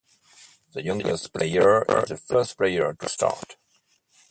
The youngest player is the first player to start.